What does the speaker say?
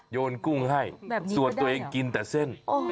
โยนกุ้งให้ส่วนตัวเองกินแต่เส้น